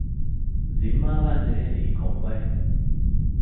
ޒިންމާވާން ޖެހެނީ ކޮން ބައެއް؟